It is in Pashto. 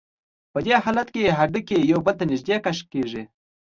په دې حالت کې هډوکي یو بل ته نږدې کش کېږي.